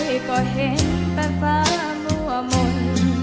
เธอก็เห็นเป็นฟ้ามั่วมนต์